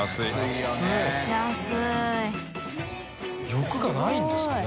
欲がないんですかね？